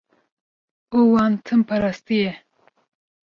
û wan tim parastiye.